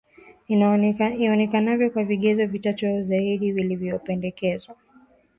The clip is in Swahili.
ionekanavyo kwa vigezo vitatu au zaidi vilivyopendekezwa